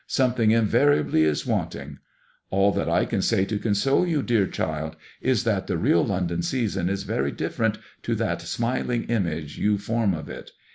Something invariably is wanting. All that I can say to console you, dear child, is that the real London season is very different to that smiling image you form of it.